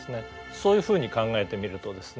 そういうふうに考えてみるとですね